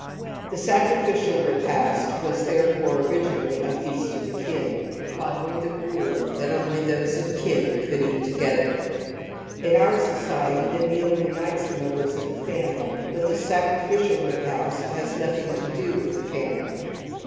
^he sacrificial repast was therefore originally a feast of the kin, follo\(ring the rule that only those of kin could eat together^ In our society the meal unites the members of the family ; but the sacrificial repast has nothing to do with the family.